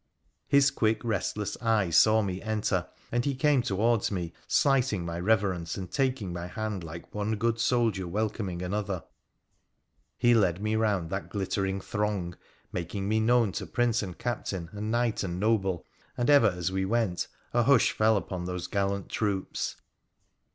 His quick, restless eye saw me enter, and he came towards me, slighting my reverence, and taking my hand like one good soldier welcoming another. He led me round that glittering throng, making me known to PHRA THE PHCENICIAN \%% prince and captain, and knight and noble, and ever as we went a hush fell upon those gallant groups.